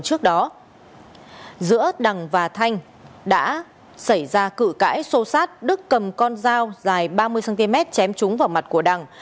trước đó giữa đằng và thanh đã xảy ra cự cãi xô sát đức cầm con dao dài ba mươi cm chém trúng vào mặt của đằng